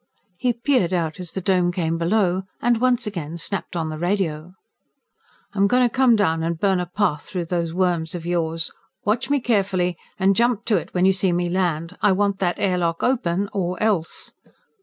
He peered out as the Dome came below and once again snapped on the radio. "I'm going to come down and burn a path through those worms of yours. Watch me carefully, and jump to it when you see me land. I want that airlock open, or else."